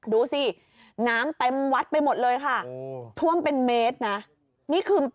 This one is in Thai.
ดูสิน้ำเต็มวัดไปหมดเลยค่ะทว่มเป็นเมตรนะคือเป็นมาเป็นอาทิตย์แล้วอ่ะค่ะ